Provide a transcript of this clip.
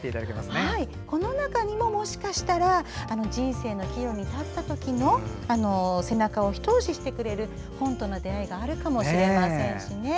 この中にも、もしかしたら人生の岐路に立った時の背中を一押してくれる本との出会いがあるかもしれないですね。